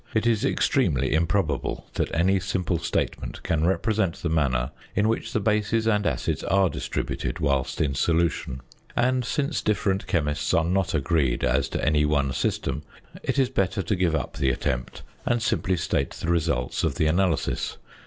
It is extremely improbable that any simple statement can represent the manner in which the bases and acids are distributed whilst in solution; and, since different chemists are not agreed as to any one system, it is better to give up the attempt, and simply state the results of the analysis.